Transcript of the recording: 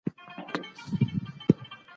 د امیر پولاد ځای ناستی امیر کروړ بابا وو.